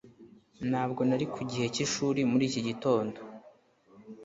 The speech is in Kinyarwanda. ntabwo nari ku gihe cy'ishuri muri iki gitondo